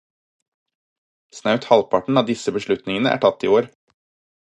Snaut halvparten av disse beslutningene er tatt i år.